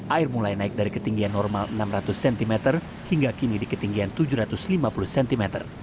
air mulai naik dari ketinggian normal enam ratus cm hingga kini di ketinggian tujuh ratus lima puluh cm